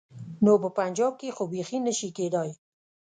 نو په پنجاب کې خو بيخي نه شي کېدای.